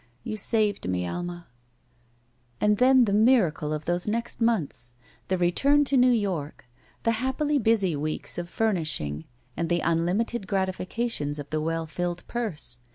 You saved me, Ahna." And then the miracle of those next months. The return to New York. The happily busy weeks of furnishing and the unlimited gratifications of the well filled purse.